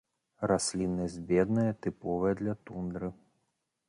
Расліннасць бедная, тыповая для тундры.